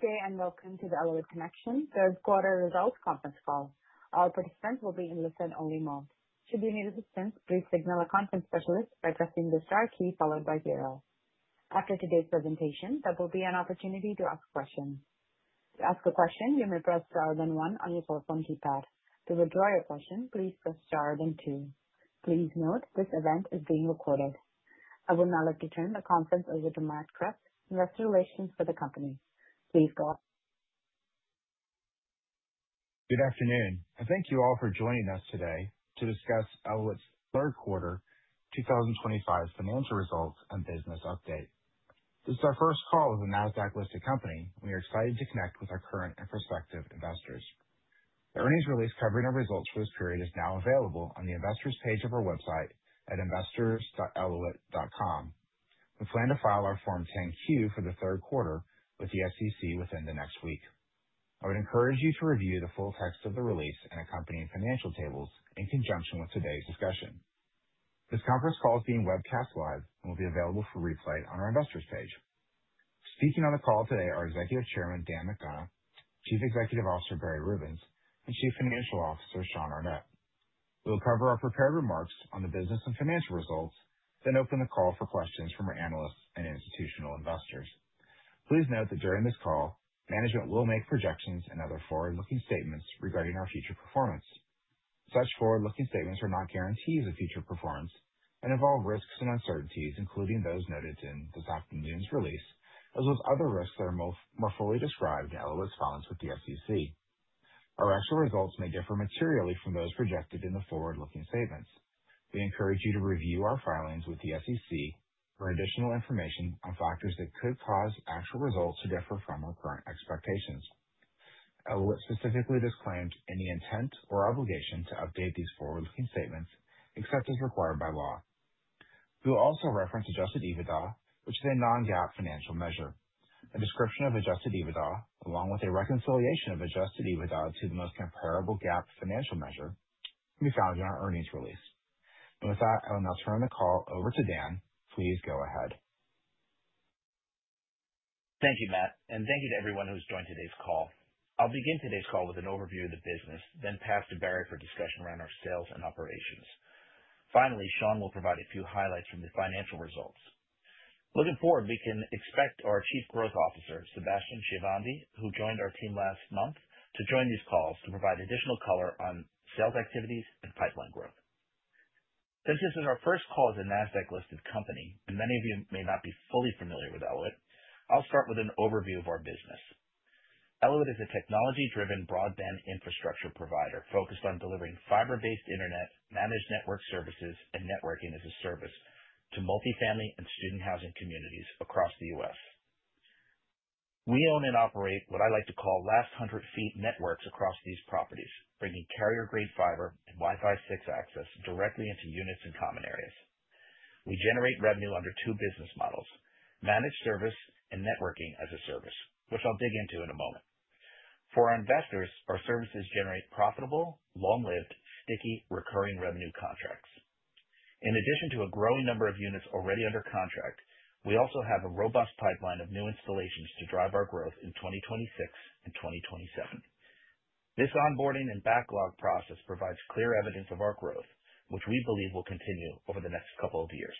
Good day, and welcome to the Elauwit Connection third quarter results conference call. All participants will be in listen only mode. Should you need assistance, please signal a conference specialist by pressing the star key followed by zero. After today's presentation, there will be an opportunity to ask questions. To ask a question, you may press star then one on your phone keypad. To withdraw your question, please press star then two. Please note this event is being recorded. I would now like to turn the conference over to Matt Kreps, investor relations for the company. Please go on. Good afternoon, and thank you all for joining us today to discuss Elauwit's third quarter 2025 financial results and business update. This is our first call as a NASDAQ-listed company. We are excited to connect with our current and prospective investors. The earnings release covering our results for this period is now available on the investors page of our website at investors.elauwit.com. We plan to file our Form 10-Q for the third quarter with the SEC within the next week. I would encourage you to review the full text of the release and accompanying financial tables in conjunction with today's discussion. This conference call is being webcast live and will be available for replay on our investors page. Speaking on the call today are Executive Chairman, Dan McDonough, Chief Executive Officer, Barry Rubens, and Chief Financial Officer, Sean Arnette. We'll cover our prepared remarks on the business and financial results, then open the call for questions from our analysts and institutional investors. Please note that during this call, management will make projections and other forward-looking statements regarding our future performance. Such forward-looking statements are not guarantees of future performance and involve risks and uncertainties, including those noted in this afternoon's release, as with other risks that are more fully described in Elauwit's filings with the SEC. Our actual results may differ materially from those projected in the forward-looking statements. We encourage you to review our filings with the SEC for additional information on factors that could cause actual results to differ from our current expectations. Elauwit specifically disclaims any intent or obligation to update these forward-looking statements except as required by law. We will also reference adjusted EBITDA, which is a non-GAAP financial measure. A description of adjusted EBITDA, along with a reconciliation of adjusted EBITDA to the most comparable GAAP financial measure, can be found in our earnings release. With that, I will now turn the call over to Dan. Please go ahead. Thank you, Matt, and thank you to everyone who's joined today's call. I'll begin today's call with an overview of the business, then pass to Barry for discussion around our sales and operations. Finally, Sean will provide a few highlights from the financial results. Looking forward, we can expect our Chief Growth Officer, Sebastian Shahvandi, who joined our team last month, to join these calls to provide additional color on sales activities and pipeline growth. Since this is our first call as a NASDAQ-listed company, many of you may not be fully familiar with Elauwit, I'll start with an overview of our business. Elauwit is a technology-driven broadband infrastructure provider focused on delivering fiber-based internet, managed network services, and networking-as-a-service to multifamily and student housing communities across the U.S. We own and operate what I like to call last 100 feet networks across these properties, bringing carrier-grade fiber and Wi-Fi 6 access directly into units and common areas. We generate revenue under two business models, managed service and networking-as-a-service, which I'll dig into in a moment. For our investors, our services generate profitable, long-lived, sticky, recurring revenue contracts. In addition to a growing number of units already under contract, we also have a robust pipeline of new installations to drive our growth in 2026 and 2027. This onboarding and backlog process provides clear evidence of our growth, which we believe will continue over the next couple of years.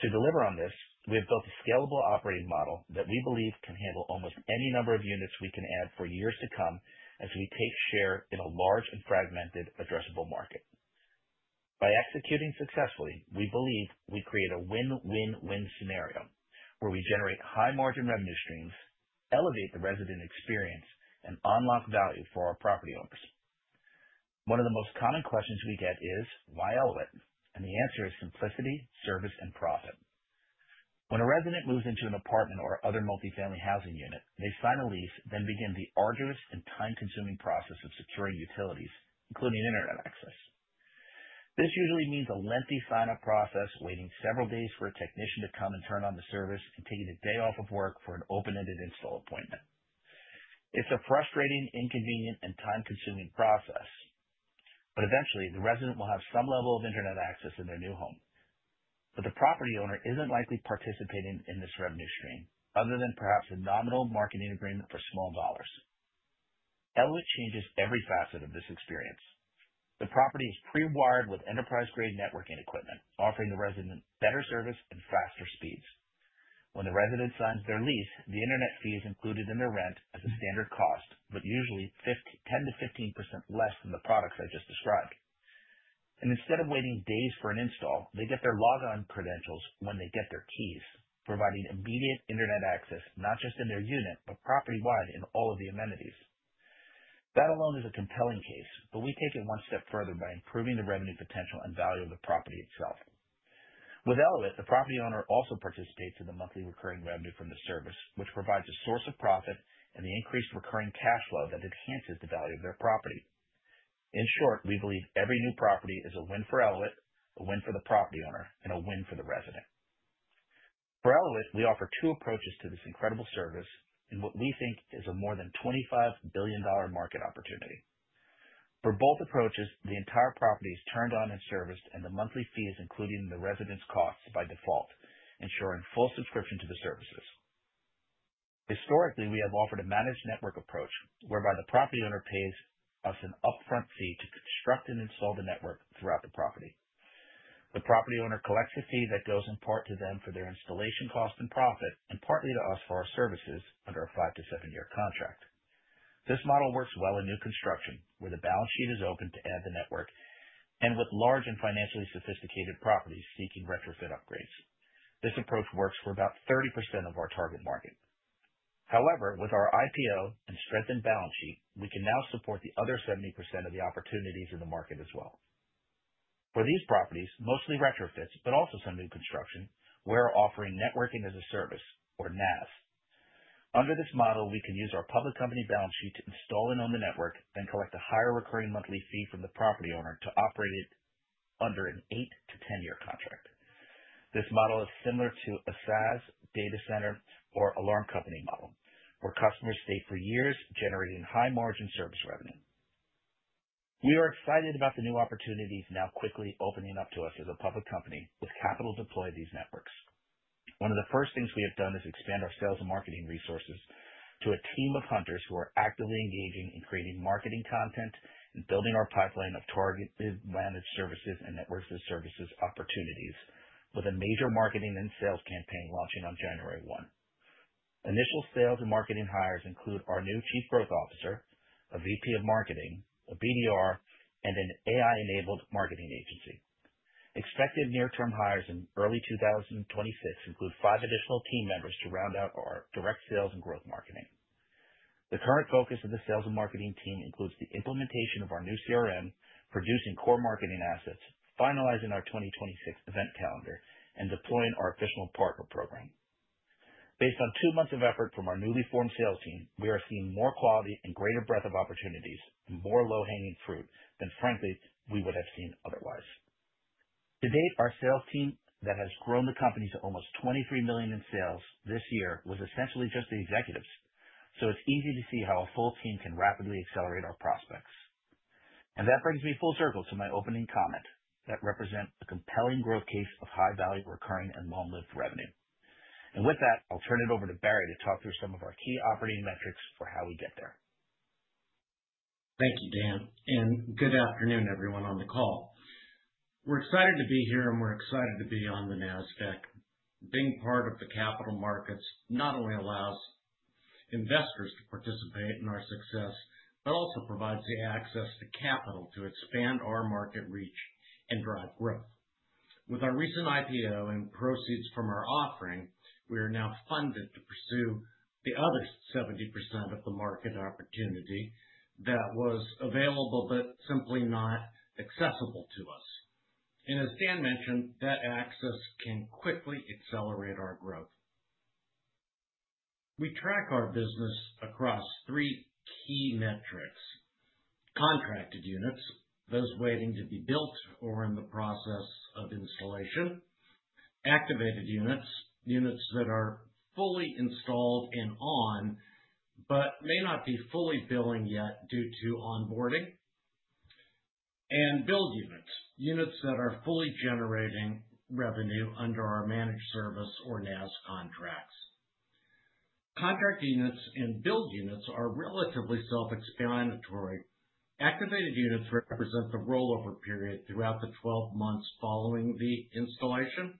To deliver on this, we have built a scalable operating model that we believe can handle almost any number of units we can add for years to come as we take share in a large and fragmented addressable market. By executing successfully, we believe we create a win-win-win scenario, where we generate high margin revenue streams, elevate the resident experience, and unlock value for our property owners. One of the most common questions we get is, why Elauwit? The answer is simplicity, service, and profit. When a resident moves into an apartment or other multifamily housing unit, they sign a lease, then begin the arduous and time-consuming process of securing utilities, including internet access. This usually means a lengthy sign-up process, waiting several days for a technician to come and turn on the service, and taking a day off of work for an open-ended install appointment. It's a frustrating, inconvenient, and time-consuming process, but eventually, the resident will have some level of internet access in their new home. The property owner isn't likely participating in this revenue stream, other than perhaps a nominal marketing agreement for small dollars. Elauwit changes every facet of this experience. The property is pre-wired with enterprise-grade networking equipment, offering the resident better service and faster speeds. When the resident signs their lease, the internet fee is included in their rent as a standard cost, but usually 10%-15% less than the products I just described. Instead of waiting days for an install, they get their log on credentials when they get their keys, providing immediate internet access, not just in their unit, but property-wide in all of the amenities. That alone is a compelling case, but we take it one step further by improving the revenue potential and value of the property itself. With Elauwit, the property owner also participates in the monthly recurring revenue from the service, which provides a source of profit and the increased recurring cash flow that enhances the value of their property. In short, we believe every new property is a win for Elauwit, a win for the property owner, and a win for the resident. For Elauwit, we offer two approaches to this incredible service in what we think is a more than $25 billion market opportunity. For both approaches, the entire property is turned on and serviced, and the monthly fee is included in the residence costs by default, ensuring full subscription to the services. Historically, we have offered a managed network approach whereby the property owner pays us an upfront fee to construct and install the network throughout the property. The property owner collects a fee that goes in part to them for their installation cost and profit, and partly to us for our services under a five to seven-year contract. This model works well in new construction, where the balance sheet is open to add the network, and with large and financially sophisticated properties seeking retrofit upgrades. This approach works for about 30% of our target market. With our IPO and strengthened balance sheet, we can now support the other 70% of the opportunities in the market as well. For these properties, mostly retrofits, but also some new construction, we're offering networking as a service or NaaS. Under this model, we can use our public company balance sheet to install and own the network, then collect a higher recurring monthly fee from the property owner to operate it under an eight to 10-year contract. This model is similar to a SaaS data center or alarm company model, where customers stay for years, generating high margin service revenue. We are excited about the new opportunities now quickly opening up to us as a public company with capital to deploy these networks. One of the first things we have done is expand our sales and marketing resources to a team of hunters who are actively engaging in creating marketing content and building our pipeline of targeted managed services and networks as services opportunities with a major marketing and sales campaign launching on January 1. Initial sales and marketing hires include our new Chief Growth Officer, a VP of Marketing, a BDR, and an AI-enabled marketing agency. Expected near-term hires in early 2025 include five additional team members to round out our direct sales and growth marketing. The current focus of the sales and marketing team includes the implementation of our new CRM, producing core marketing assets, finalizing our 2026 event calendar, and deploying our official partner program. Based on two months of effort from our newly formed sales team, we are seeing more quality and greater breadth of opportunities and more low-hanging fruit than frankly, we would have seen otherwise. To date, our sales team that has grown the company to almost $23 million in sales this year was essentially just the executives. It's easy to see how a full team can rapidly accelerate our prospects. That brings me full circle to my opening comment that represent the compelling growth case of high value recurring and long-lived revenue. With that, I'll turn it over to Barry to talk through some of our key operating metrics for how we get there. Thank you, Dan, and good afternoon, everyone on the call. We're excited to be here, and we're excited to be on the NASDAQ. Being part of the capital markets not only allows investors to participate in our success, but also provides the access to capital to expand our market reach and drive growth. With our recent IPO and proceeds from our offering, we are now funded to pursue the other 70% of the market opportunity that was available but simply not accessible to us. As Dan mentioned, that access can quickly accelerate our growth. We track our business across three key metrics: contracted units, those waiting to be built or in the process of installation; activated units that are fully installed and on, but may not be fully billing yet due to onboarding; and billed units that are fully generating revenue under our managed service or NaaS contracts. Contract units and billed units are relatively self-explanatory. Activated units represent the rollover period throughout the 12 months following the installation,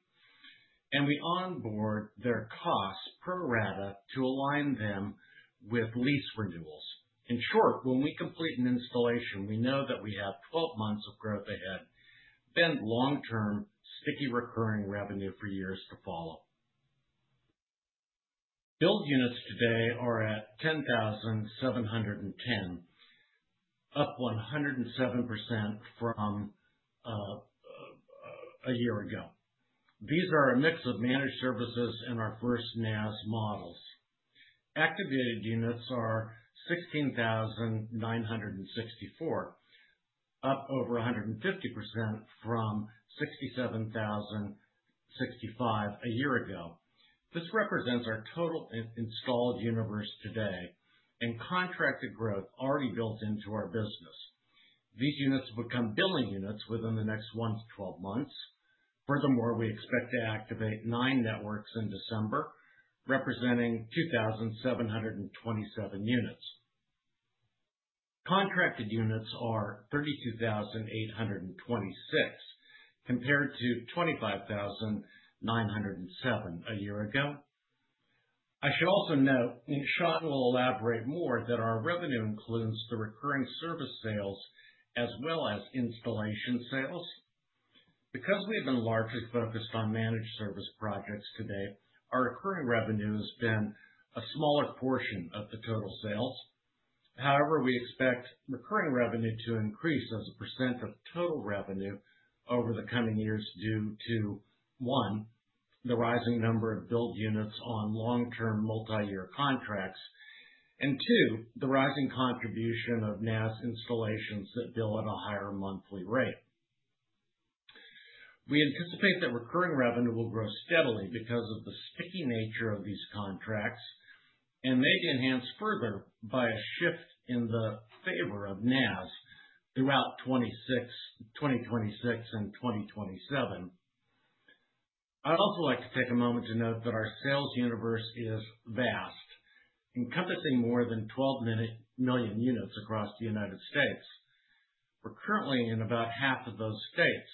and we onboard their costs pro rata to align them with lease renewals. In short, when we complete an installation, we know that we have 12 months of growth ahead, then long-term sticky recurring revenue for years to follow. Billed units today are at 10,710, up 107% from a year ago. These are a mix of managed services and our first NaaS models. Activated units are 16,964, up over 150% from 6765 a year ago. This represents our total installed universe today and contracted growth already built into our business. These units will become billing units within the next 1-12 months. Furthermore, we expect to activate nine networks in December, representing 2,727 units. Contracted units are 32,826 compared to 25,907 a year ago. I should also note, and Sean will elaborate more, that our revenue includes the recurring service sales as well as installation sales. Because we have been largely focused on managed service projects to date, our recurring revenue has been a smaller portion of the total sales. However, we expect recurring revenue to increase as a percent of total revenue over the coming years due to, one, the rising number of billed units on long-term multi-year contracts, and two, the rising contribution of NaaS installations that bill at a higher monthly rate. We anticipate that recurring revenue will grow steadily because of the sticky nature of these contracts, and may be enhanced further by a shift in the favor of NaaS throughout 2026 and 2027. I'd also like to take a moment to note that our sales universe is vast, encompassing more than 12 million units across the U.S. We're currently in about half of those states,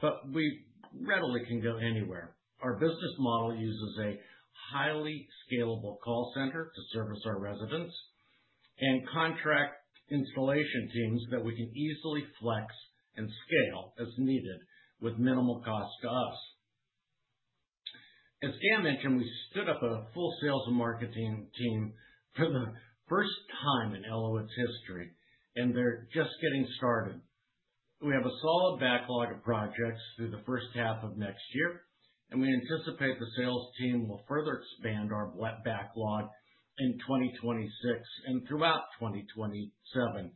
but we readily can go anywhere. Our business model uses a highly scalable call center to service our residents, and contract installation teams that we can easily flex and scale as needed with minimal cost to us. As Dan mentioned, we stood up a full sales and marketing team for the first time in Elauwit's history. They're just getting started. We have a solid backlog of projects through the first half of next year. We anticipate the sales team will further expand our backlog in 2026 and throughout 2027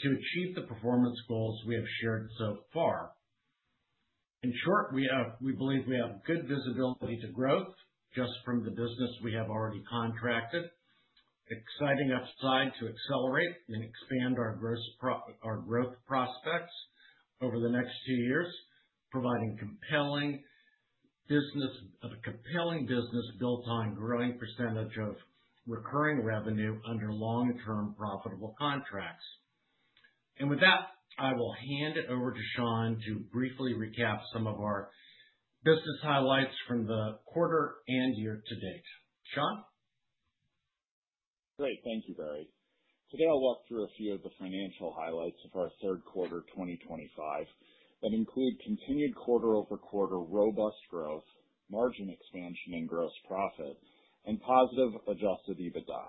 to achieve the performance goals we have shared so far. In short, we believe we have good visibility to growth just from the business we have already contracted, exciting upside to accelerate and expand our growth prospects over the next few years, providing a compelling business built on growing percentage of recurring revenue under long-term profitable contracts. With that, I will hand it over to Sean to briefly recap some of our business highlights from the quarter and year to date. Sean? Great. Thank you, Barry. Today, I'll walk through a few of the financial highlights of our third quarter 2025 that include continued quarter-over-quarter robust growth, margin expansion and gross profit, and positive adjusted EBITDA.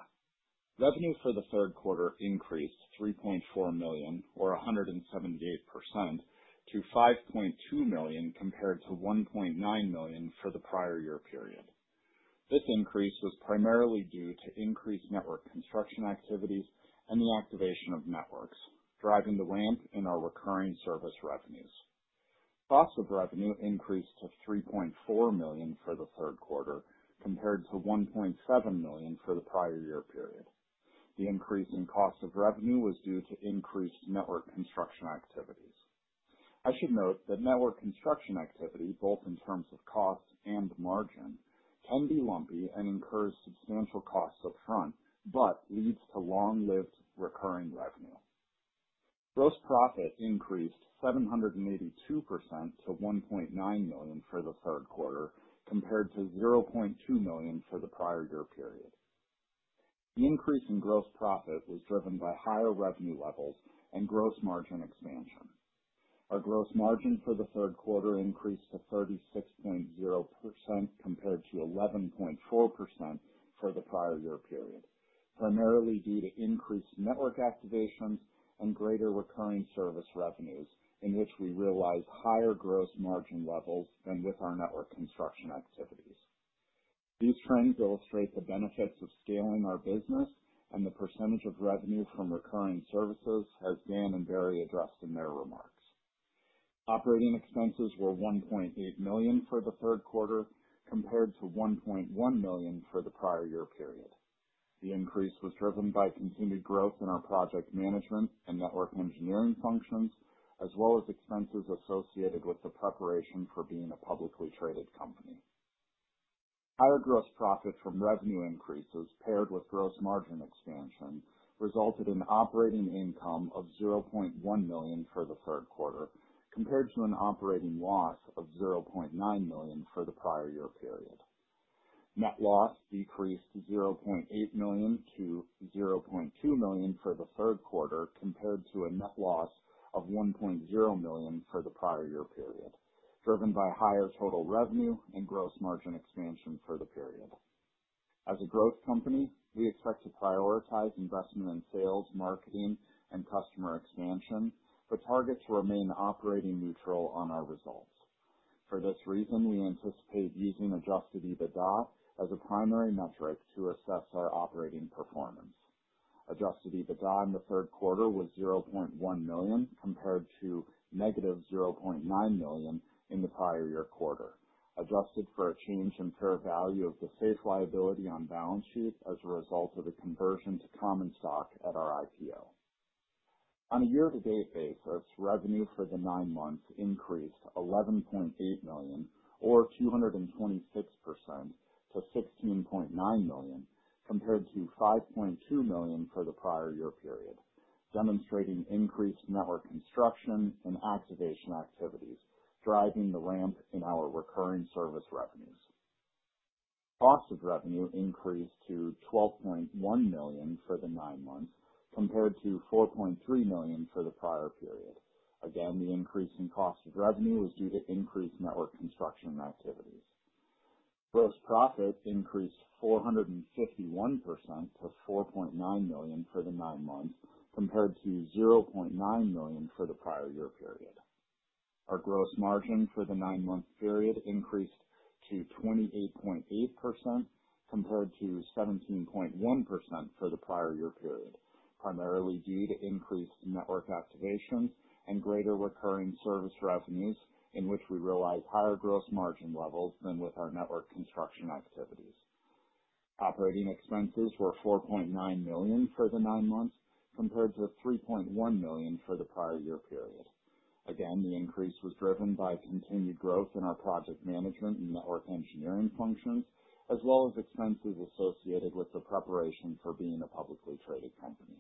Revenue for the third quarter increased $3.4 million or 178% to $5.2 million compared to $1.9 million for the prior year period. This increase was primarily due to increased network construction activities and the activation of networks, driving the ramp in our recurring service revenues. Cost of revenue increased to $3.4 million for the third quarter compared to $1.7 million for the prior year period. The increase in cost of revenue was due to increased network construction activities. I should note that network construction activity, both in terms of cost and margin, can be lumpy and incurs substantial costs upfront, but leads to long-lived recurring revenue. Gross profit increased 782% to $1.9 million for the third quarter compared to $0.2 million for the prior year period. The increase in gross profit was driven by higher revenue levels and gross margin expansion. Our gross margin for the third quarter increased to 36.0% compared to 11.4% for the prior year period, primarily due to increased network activations and greater recurring service revenues in which we realized higher gross margin levels than with our network construction activities. These trends illustrate the benefits of scaling our business and the percentage of revenue from recurring services, as Dan and Barry addressed in their remarks. Operating expenses were $1.8 million for the third quarter compared to $1.1 million for the prior year period. The increase was driven by continued growth in our project management and network engineering functions, as well as expenses associated with the preparation for being a publicly traded company. Higher gross profit from revenue increases paired with gross margin expansion resulted in operating income of $0.1 million for the third quarter compared to an operating loss of $0.9 million for the prior year period. Net loss decreased to $0.8 million to $0.2 million for the third quarter compared to a net loss of $1.0 million for the prior year period, driven by higher total revenue and gross margin expansion for the period. As a growth company, we expect to prioritize investment in sales, marketing and customer expansion, but target to remain operating neutral on our results. For this reason, we anticipate using adjusted EBITDA as a primary metric to assess our operating performance. Adjusted EBITDA in the third quarter was $0.1 million compared to negative $0.9 million in the prior year quarter. Adjusted for a change in fair value of the SAFE liability on balance sheet as a result of the conversion to common stock at our IPO. On a year-to-date basis, revenue for the nine months increased $11.8 million or 226% to $16.9 million compared to $5.2 million for the prior year period, demonstrating increased network construction and activation activities, driving the ramp in our recurring service revenues. Cost of revenue increased to $12.1 million for the nine months compared to $4.3 million for the prior period. The increase in cost of revenue was due to increased network construction activities. Gross profit increased 451% to $4.9 million for the nine months compared to $0.9 million for the prior year period. Our gross margin for the nine-month period increased to 28.8%, compared to 17.1% for the prior year period, primarily due to increased network activations and greater recurring service revenues in which we realized higher gross margin levels than with our network construction activities. Operating expenses were $4.9 million for the nine months, compared to $3.1 million for the prior year period. The increase was driven by continued growth in our project management and network engineering functions, as well as expenses associated with the preparation for being a publicly traded company.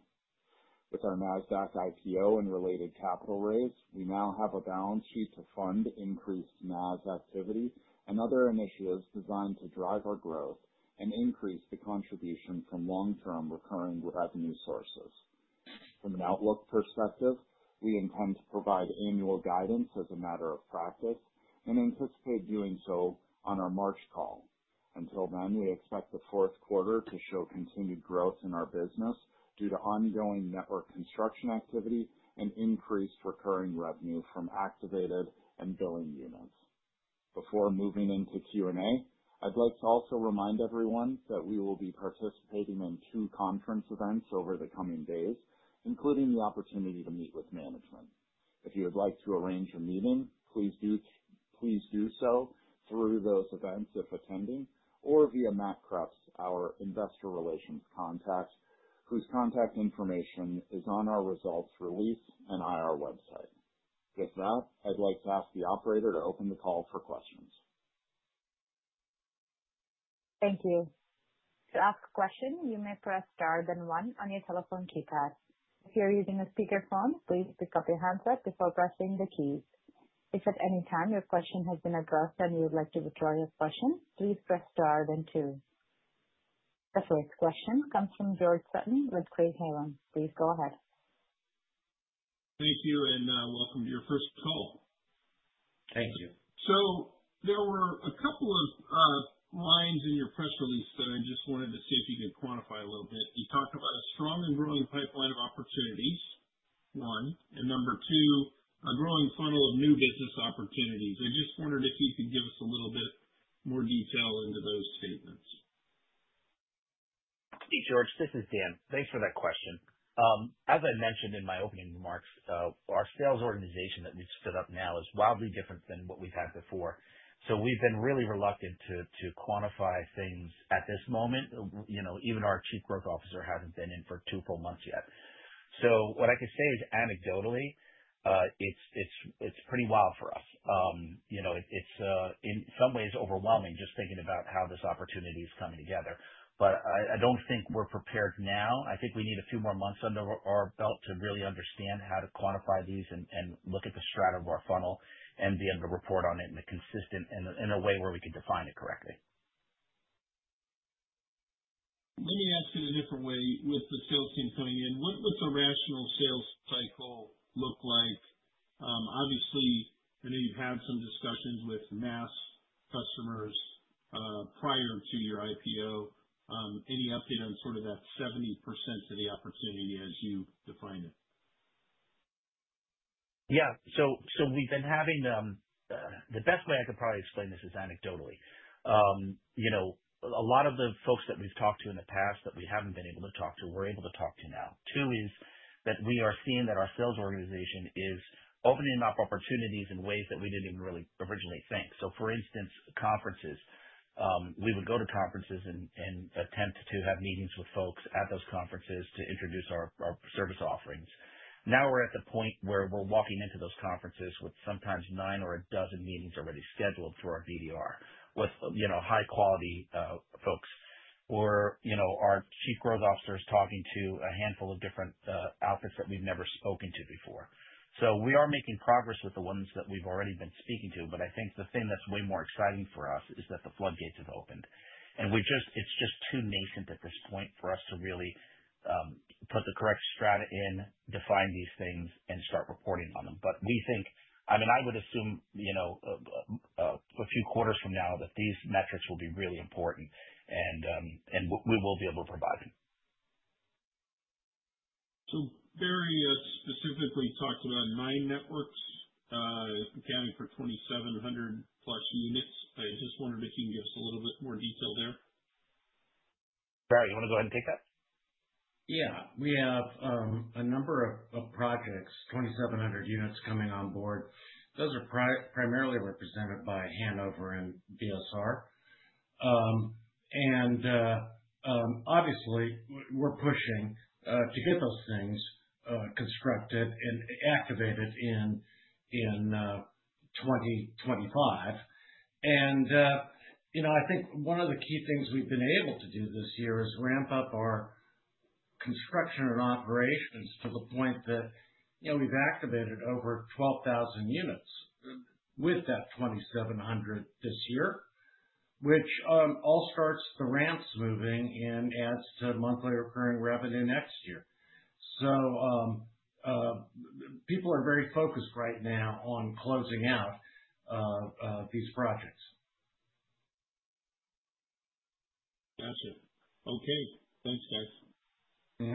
With our NASDAQ IPO and related capital raise, we now have a balance sheet to fund increased NaaS activity and other initiatives designed to drive our growth and increase the contribution from long-term recurring revenue sources. From an outlook perspective, we intend to provide annual guidance as a matter of practice and anticipate doing so on our March call. Until then, we expect the fourth quarter to show continued growth in our business due to ongoing network construction activity and increased recurring revenue from activated and billing units. Before moving into Q&A, I'd like to also remind everyone that we will be participating in two conference events over the coming days, including the opportunity to meet with management. If you would like to arrange a meeting, please do so through those events if attending, or via Matt Kreps, our investor relations contact, whose contact information is on our results release and IR website. I'd like to ask the operator to open the call for questions. Thank you. To ask a question, you may press star then one on your telephone keypad. If you're using a speakerphone, please pick up your handset before pressing the keys. If at any time your question has been addressed and you would like to withdraw your question, please press star then two. The first question comes from George Sutton with Craig-Hallum. Please go ahead. Thank you, and welcome to your first call. Thank you. There were a couple of lines in your press release that I just wanted to see if you could quantify a little bit. You talked about a strong and growing pipeline of opportunities, one, and number 2, a growing funnel of new business opportunities. I just wondered if you could give us a little bit more detail into those statements. Hey, George, this is Dan. Thanks for that question. As I mentioned in my opening remarks, our sales organization that we've stood up now is wildly different than what we've had before. We've been really reluctant to quantify things at this moment. Even our Chief Growth Officer hasn't been in for two full months yet. What I can say is anecdotally, it's pretty wild for us. It's, in some ways, overwhelming just thinking about how this opportunity is coming together. I don't think we're prepared now. I think we need a few more months under our belt to really understand how to quantify these and look at the strata of our funnel and be able to report on it in a way where we can define it correctly. Let me ask it a different way. With the sales team coming in, what does a rational sales cycle look like? Obviously, I know you've had some discussions with NaaS customers prior to your IPO. Any update on sort of that 70% of the opportunity as you defined it? Yeah. The best way I could probably explain this is anecdotally. A lot of the folks that we've talked to in the past that we haven't been able to talk to, we're able to talk to now. Two is that we are seeing that our sales organization is opening up opportunities in ways that we didn't even really originally think. For instance, conferences. We would go to conferences and attempt to have meetings with folks at those conferences to introduce our service offerings. Now we're at the point where we're walking into those conferences with sometimes nine or a dozen meetings already scheduled for our BDR with high-quality folks. Our Chief Growth Officer is talking to a handful of different outfits that we've never spoken to before. We are making progress with the ones that we've already been speaking to, but I think the thing that's way more exciting for us is that the floodgates have opened, and it's just too nascent at this point for us to really put the correct strata in, define these things, and start reporting on them. I would assume, a few quarters from now, that these metrics will be really important and we will be able to provide them. Barry specifically talked about nine networks accounting for 2,700+ units. I just wondered if you could give us a little bit more detail there. Barry, you want to go ahead and take that? Yeah. We have a number of projects, 2,700 units coming on board. Those are primarily represented by Hanover and DSR. Obviously, we're pushing to get those things constructed and activated in 2025. I think one of the key things we've been able to do this year is ramp up our construction and operations to the point that we've activated over 12,000 units with that 2,700 this year, which all starts the ramps moving and adds to monthly recurring revenue next year. People are very focused right now on closing out these projects. Got you. Okay. Thanks, guys.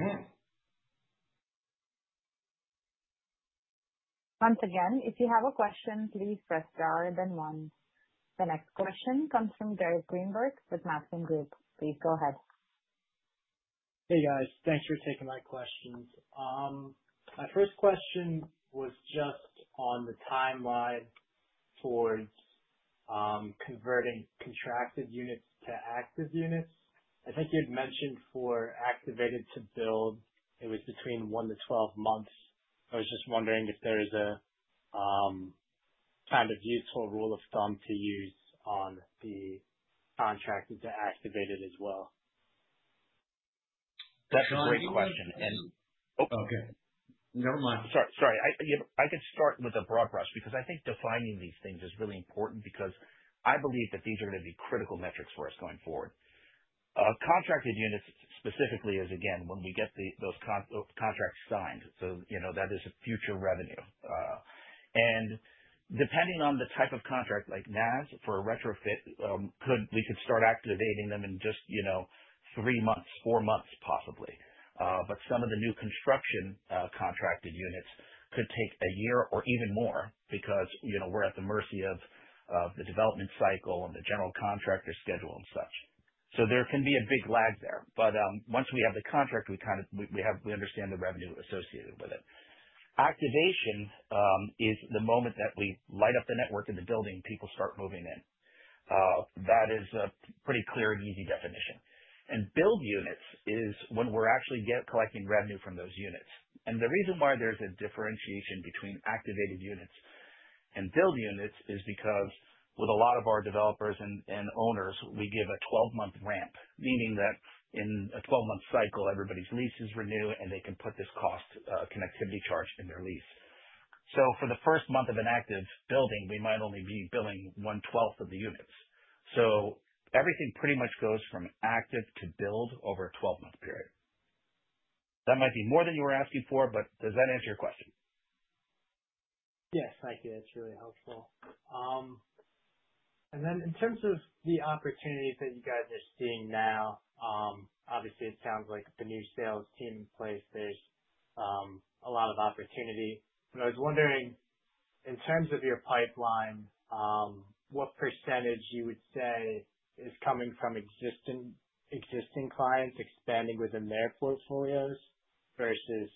Once again, if you have a question, please press star, then one. The next question comes from Gary Greenberg with Matheson Group. Please go ahead. Hey, guys. Thanks for taking my questions. My first question was just on the timeline towards converting contracted units to active units. I think you'd mentioned for activated to build, it was between 1 to 12 months. I was just wondering if there is a kind of useful rule of thumb to use on the contracted to activated as well. That's a great question. Okay. Never mind. Sorry. I could start with a broad brush, because I think defining these things is really important, because I believe that these are going to be critical metrics for us going forward. Contracted units specifically is, again, when we get those contracts signed. That is a future revenue. Depending on the type of contract, like NaaS for a retrofit, we could start activating them in just three months, four months, possibly. Some of the new construction contracted units could take a year or even more because we're at the mercy of the development cycle and the general contractor schedule and such. There can be a big lag there. Once we have the contract, we understand the revenue associated with it. Activation is the moment that we light up the network in the building, people start moving in. That is a pretty clear and easy definition. Billed units is when we're actually collecting revenue from those units. The reason why there's a differentiation between activated units and billed units is because with a lot of our developers and owners, we give a 12-month ramp, meaning that in a 12-month cycle, everybody's leases renew, and they can put this cost, connectivity charge in their lease. For the first month of an active building, we might only be billing one twelfth of the units. Everything pretty much goes from active to billed over a 12-month period. That might be more than you were asking for, but does that answer your question? Yes. Thank you. That's really helpful. Then in terms of the opportunities that you guys are seeing now, obviously, it sounds like with the new sales team in place, there's a lot of opportunity. I was wondering, in terms of your pipeline, what % you would say is coming from existing clients expanding within their portfolios versus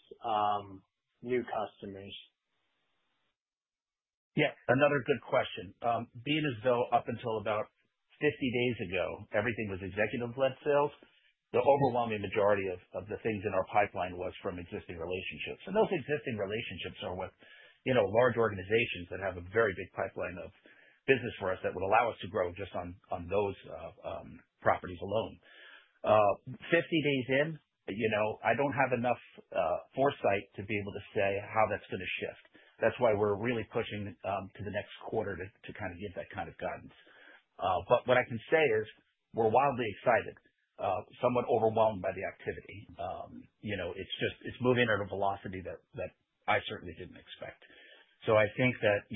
new customers? Yeah, another good question. Being as though up until about 50 days ago, everything was executive-led sales, the overwhelming majority of the things in our pipeline was from existing relationships. Those existing relationships are with large organizations that have a very big pipeline of business for us that would allow us to grow just on those properties alone. 50 days in, I don't have enough foresight to be able to say how that's going to shift. That's why we're really pushing to the next quarter to kind of give that kind of guidance. What I can say is we're wildly excited, somewhat overwhelmed by the activity. It's moving at a velocity that I certainly didn't expect. I think that,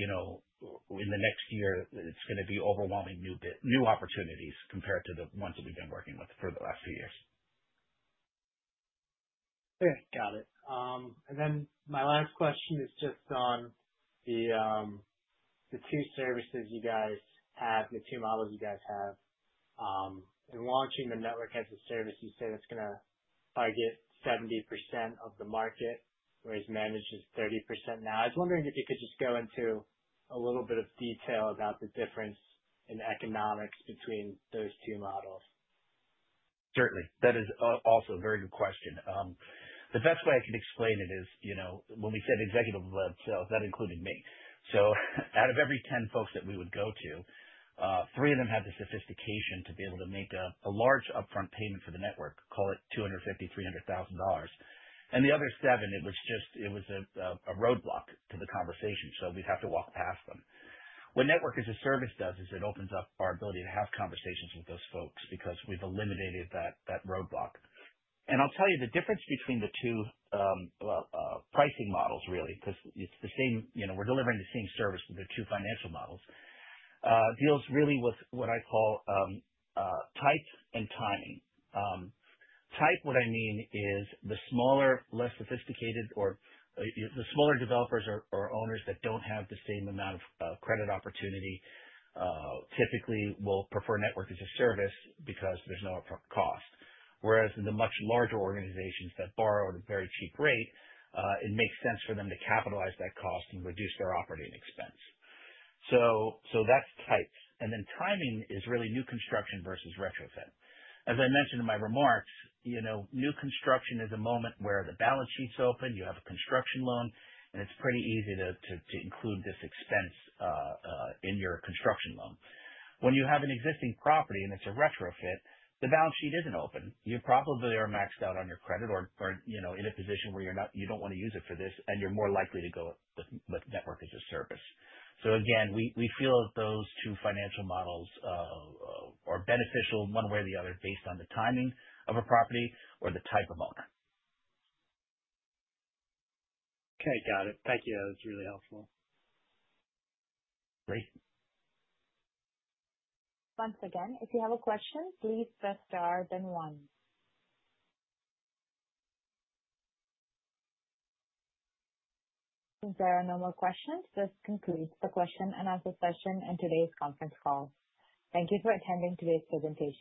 in the next year, it's going to be overwhelmingly new opportunities compared to the ones that we've been working with for the last few years. Okay. Got it. Then my last question is just on the two services you guys have, the two models you guys have. In launching the Network as a Service, you say that's going to target 70% of the market, whereas managed is 30% now. I was wondering if you could just go into a little bit of detail about the difference in economics between those two models. Certainly. That is also a very good question. The best way I can explain it is, when we said executive-led sales, that included me. Out of every 10 folks that we would go to, three of them had the sophistication to be able to make a large upfront payment for the network, call it $250,000-$300,000. The other seven, it was a roadblock to the conversation, so we'd have to walk past them. What Network as a Service does is it opens up our ability to have conversations with those folks because we've eliminated that roadblock. I'll tell you the difference between the two pricing models, really, because we're delivering the same service to the two financial models, deals really with what I call type and timing. Type, what I mean is the smaller, less sophisticated, or the smaller developers or owners that don't have the same amount of credit opportunity, typically will prefer Network as a Service because there's no upfront cost. Whereas in the much larger organizations that borrow at a very cheap rate, it makes sense for them to capitalize that cost and reduce their operating expense. That's type. Then timing is really new construction versus retrofit. As I mentioned in my remarks, new construction is a moment where the balance sheet's open, you have a construction loan, and it's pretty easy to include this expense in your construction loan. When you have an existing property and it's a retrofit, the balance sheet isn't open. You probably are maxed out on your credit or in a position where you don't want to use it for this, and you're more likely to go with Network as a Service. Again, we feel that those two financial models are beneficial one way or the other based on the timing of a property or the type of owner. Okay. Got it. Thank you. That's really helpful. Great. Once again, if you have a question, please press star, then one. Since there are no more questions, this concludes the question and answer session and today's conference call. Thank you for attending today's presentation.